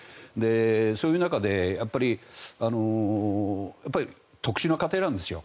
そういう中でやっぱり特殊な家庭なんですよ。